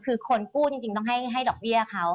คือคนกู้จริงต้องให้ดอกเบี้ยเขา